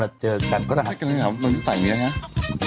มันจะเจอกันก็ได้มันจะใส่อย่างนี้นะคะ